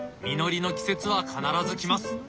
実りの季節は必ず来ます。